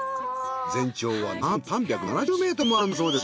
全長はなんと３７０ｍもあるんだそうです。